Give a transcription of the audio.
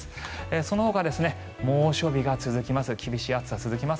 そのほか猛暑日が続きます。